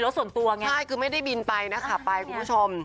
ใช่ก็กลัวคือไม่ได้บินไปนะคะขับไปคุณผู้ชม